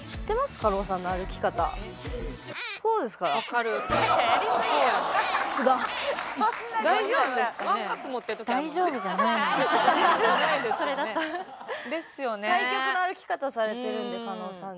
対極の歩き方されてるんで加納さんが。